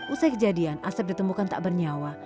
usai kejadian asep ditemukan tak bernyawa